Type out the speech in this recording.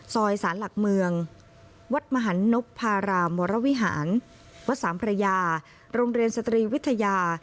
สารหลักเมืองวัดมหันนพพารามวรวิหารวัดสามพระยาโรงเรียนสตรีวิทยา